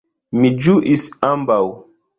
Mi ĝuis ambaŭ.